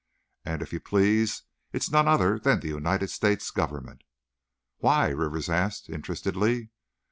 And, if you please, it's none other than the United States Government!" "Why?" Rivers asked, interestedly.